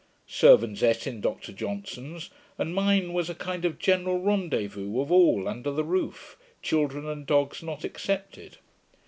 Servants eat in Dr Johnson's; and mine was a kind of general rendezvous of all under the roof, children and dogs not excepted.